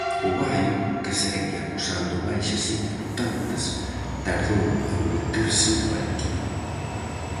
O Baio, que segue acusando baixas importantes, tardou en meterse no partido.